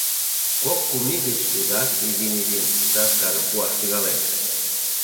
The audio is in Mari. Кок-кум ий гыч тудат изин-изин саскажым пуаш тӱҥалеш.